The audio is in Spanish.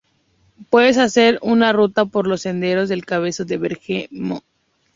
Puedes hacer una ruta por los senderos de Cabezo de Bermejo.